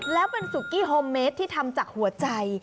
แล้วเป็นซุกี้โฮมเมสที่ทำจากหัวใจ